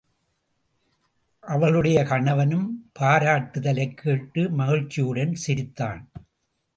அவளுடைய கணவனும் பாராட்டுத்தலைக் கேட்டு மகிழ்ச்சியுடன் சிரித்தான்.